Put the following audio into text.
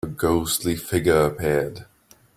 A ghostly figure appeared.